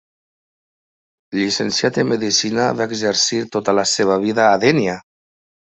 Llicenciat en medicina, va exercir tota la seva vida a Dénia.